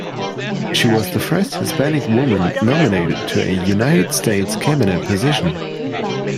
She was the first Hispanic woman nominated to a United States cabinet position.